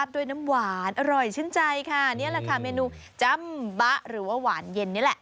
ด้วยน้ำหวานอร่อยชื่นใจค่ะนี่แหละค่ะเมนูจำบะหรือว่าหวานเย็นนี่แหละ